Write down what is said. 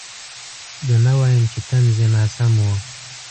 زه نه وایم چې طنز یې ناسم و.